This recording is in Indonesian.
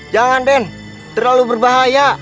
jangan den terlalu berbahaya